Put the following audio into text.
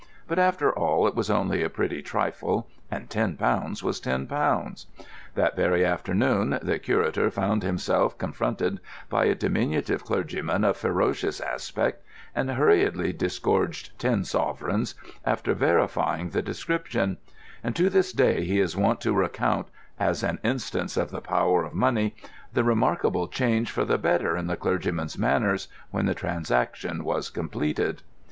But after all, it was only a pretty trifle, and ten pounds was ten pounds. That very afternoon, the Curator found himself confronted by a diminutive clergyman of ferocious aspect, and hurriedly disgorged ten sovereigns after verifying the description; and to this day he is wont to recount, as an instance of the power of money, the remarkable change for the better in the clergyman's manners when the transaction was completed.